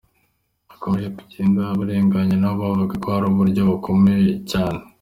akomeje kugenda abarenganya bo bavuga ko ari mu buryo bukomeye cyane.